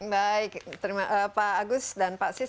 baik terima kasih pak agus dan pak sis